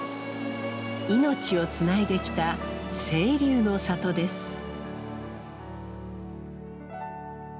命をつないできた清流の里です。